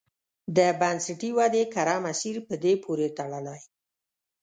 د بنسټي ودې کره مسیر په دې پورې تړلی.